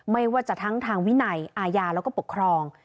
ไม่ว่าจะทั้งทางวินัยอาญาแล้วก็ปกครอง